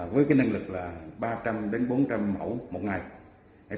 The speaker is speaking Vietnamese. với cái năng lực là ba trăm linh đến bốn trăm linh mẫu mỗi ngày